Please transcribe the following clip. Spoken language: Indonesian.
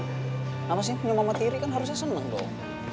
kenapa sih punya mama tiri kan harusnya senang doang